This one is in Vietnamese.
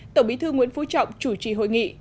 tổng bí thư nguyễn phú trọng chủ trì hội nghị